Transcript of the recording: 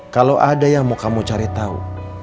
kalo ada yang mau kamu cari tau